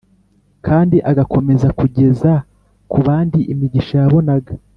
kandi agakomeza kugeza ku bandi imigisha yabonaga.